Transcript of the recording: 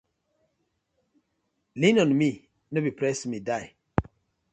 Lean on me, no be press me die: